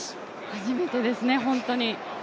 初めてですね、ホントに。